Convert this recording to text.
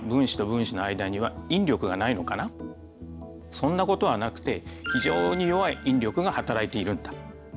そんなことはなくて非常に弱い引力がはたらいているんだ。